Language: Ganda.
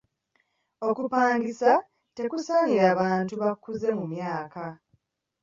Okupangisa tekusaanira bantu bakuze mu myaka.